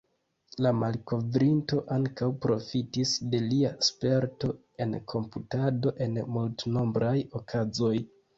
La malkovrinto ankaŭ profitis de lia sperto en komputado en multnombraj okazoj.